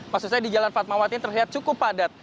maksud saya di jalan fatmawati terlihat cukup padat